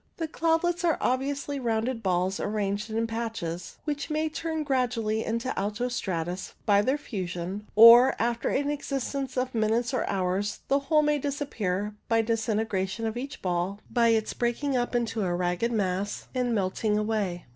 The cloudlets are obvi ously rounded balls arranged in patches, which may turn gradually into alto stratus by their fusion, or, after an existence of minutes or hours, the whole may disappear by a disintegration of each ball, by its breaking up into a ragged mass and melting away.